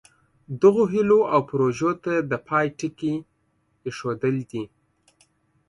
دغو هیلو او پروژو ته د پای ټکی ایښودل دي.